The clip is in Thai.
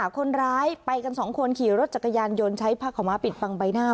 คนร้ายไปกันสองคนขี่รถจักรยานยนต์ใช้ผ้าขาวม้าปิดบังใบหน้า